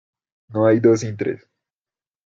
No hay dos sin tres.